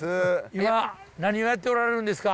今何をやっておられるんですか？